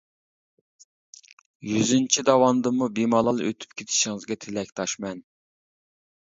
يۈزىنچى داۋاندىنمۇ بىمالال ئۆتۈپ كېتىشىڭىزگە تىلەكداشمەن.